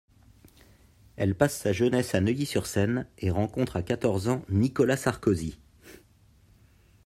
Elle passe sa jeunesse à Neuilly-sur-Seine et rencontre à quatorze ans Nicolas Sarkozy.